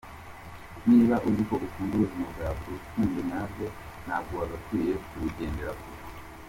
Niba uziko ukunda ubuzima bwawe, Urukundo nyarwo ntabwo wagakwiye kurugendera kure.